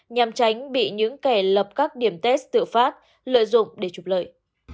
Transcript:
nhằm tránh bị những kẻ lập các điểm test tự phát lợi dụng để trục lợi